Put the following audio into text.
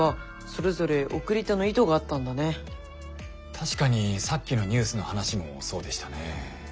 確かにさっきのニュースの話もそうでしたね。